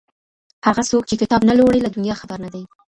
هغه څوک چي کتاب نه لوړي له دنيا خبر نه دی.